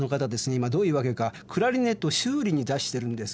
今どういう訳かクラリネット修理に出してるんです。